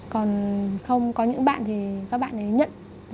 còn không có những bạn thì các bạn ấy nhận